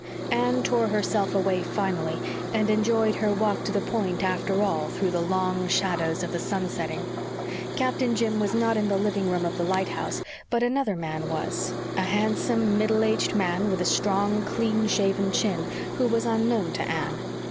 Anne tore herself away finally and enjoyed her walk to the Point after all, through the long shadows of the sun setting. Captain Jim was not in the living room of the lighthouse, but another man was a handsome, middle aged man, with a strong, clean shaven chin, who was unknown to Anne.